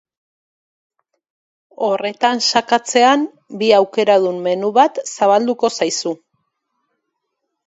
Horretan sakatzean, bi aukeradun menu bat zabalduko zaizu.